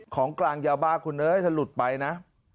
ของกลางยาบ้าคุณเอ้ยถ้าหลุดไปนะ